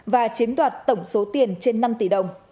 và chiếm đoạt tổng số tiền trên năm tỷ đồng